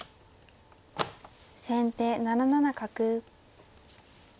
先手７七角。